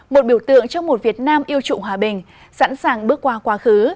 một biểu tượng cho một việt nam yêu trụng hòa bình sẵn sàng bước qua quá khứ